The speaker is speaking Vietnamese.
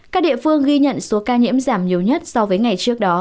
các địa phương ghi nhận số ca nhiễm giảm nhiều nhất so với ngày trước đó